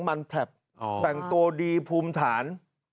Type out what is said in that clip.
มันแผลบแต่งตัวดีภูมิฐาน